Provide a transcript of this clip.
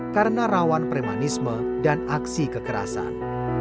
karena rawan premanisme dan aksi kekerasan